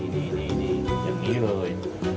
นี่อย่างนี้เลย